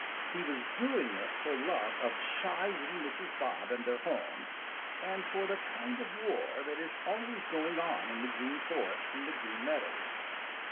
He was doing it for love of shy little Mrs. Bob and their home, and for the kind of war that is always going on in the Green Forest and the Green Meadows.